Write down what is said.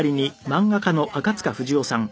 漫画家赤塚不二夫さん